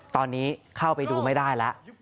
ตอนนี้เข้าไปดูไม่ได้แล้ว